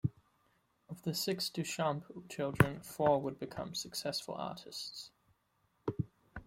Of the six Duchamp children, four would become successful artists.